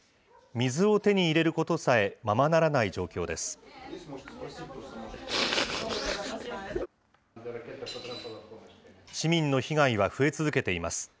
水を手に入れることさえままならない状況です。